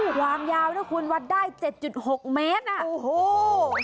ความยาวนะคุณวัดได้๗๖เมตร